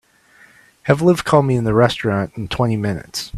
Have Liv call me in the restaurant in twenty minutes.